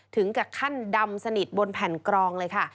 ถึงขั้นดำสนิทบนแผ่นกรองเลยค่ะ